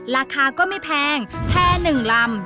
ราคาก็ไม่แพงแพร่๑ลำ